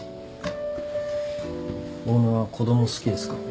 オーナーは子供好きですか？